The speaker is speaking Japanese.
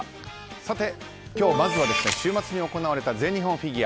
さて、今日まずは週末に行われた全日本フィギュア。